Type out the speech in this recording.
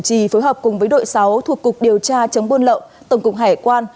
trì phối hợp cùng với đội sáu thuộc cục điều tra chống buôn lậu tổng cục hải quan